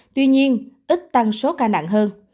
tuy nhiên ít tăng số ca nặng hơn